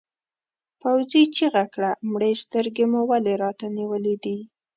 پوځي چیغه کړه مړې سترګې مو ولې راته نیولې دي؟